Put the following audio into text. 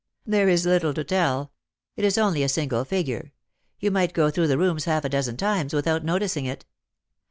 " There is little to tell. It is only a single figure. You might go through the rooms half a dozen times without noticing it."